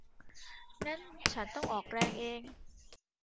งั้นฉันต้องออกแรงเอง